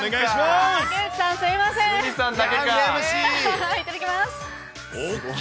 すみません。